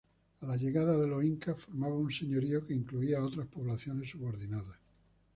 A la llegada de los incas formaba un señorío que incluía otras poblaciones subordinadas.